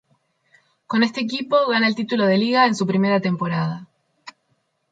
Con este equipo gana el título de Liga en su primera temporada.